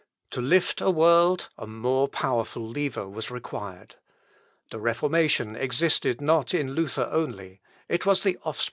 To lift a world, a more powerful lever was required. The Reformation existed not in Luther only; it was the offspring of his age.